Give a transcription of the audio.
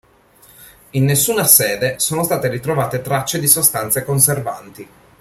In nessuna sede sono state ritrovate tracce di sostanze conservanti.